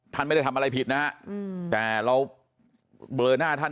ท่านไม่ได้ทำอะไรผิดนะฮะแต่เราเบลอหน้าท่าน